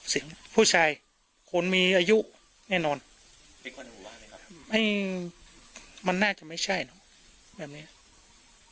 เสียงผู้ชายคนมีอายุแน่นอนมันน่าจะไม่ใช่แบบนี้เสียง